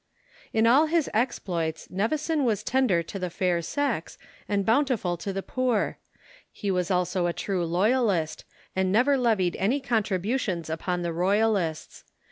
In all his exploits, Nevison was tender to the fair sex, and bountiful to the poor. He was also a true loyalist, and never levied any contributions upon the Royalists.